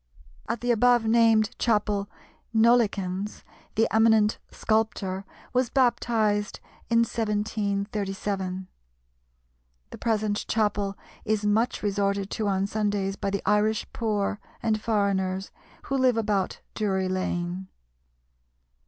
At the above named chapel Nollekens, the eminent sculptor, was baptized in 1737. The present chapel is much resorted to on Sundays by the Irish poor and foreigners, who live about Drury Lane.